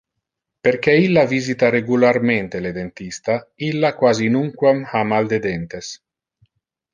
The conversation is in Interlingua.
Perque illa visita regularmente le dentista, illa quasi nunquam ha mal de dentes.